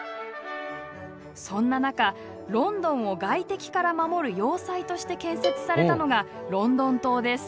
そんな中ロンドンを外敵から守る要塞として建設されたのがロンドン塔です。